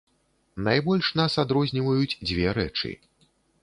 Найбольш нас адрозніваюць дзве рэчы.